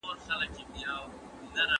منطقي تسلسل د لیکوال د بریالیتوب لویه نښه ده.